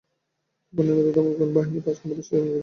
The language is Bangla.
আগুন নেভাতে দমকল বাহিনীর পাঁচ ঘণ্টারও বেশি সময় লেগেছিল।